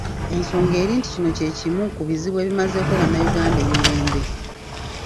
Ensonga eri nti kino kye kimu ku bizibu ebimazeeko bannayuganda emirembe